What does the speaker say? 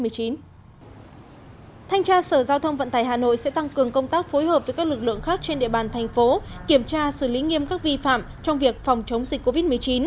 sở giao thông vận tải hà nội yêu cầu các đơn vị kinh doanh vận tải trên địa bàn thành phố phải từ chối phục vụ hành khách không đeo khẩu trang không tuân thủ các biện pháp phòng chống dịch bệnh covid một mươi chín